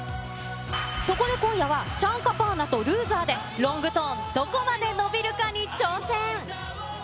そこで今夜は、チャンカパーナとＬＯＳＥＲで、ロングトーンどこまで伸びるかに挑戦。